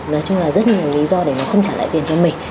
nói chung là rất nhiều lý do để mà không trả lại tiền cho mình